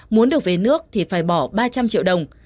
muốn được về nước thì phải bỏ ba trăm linh triệu đồng